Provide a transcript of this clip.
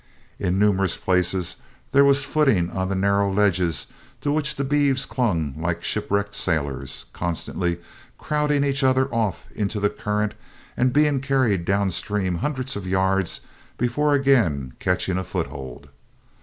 In numerous places there was footing on the narrow ledges to which the beeves clung like shipwrecked sailors, constantly crowding each other off into the current and being carried downstream hundreds of yards before again catching a foothold.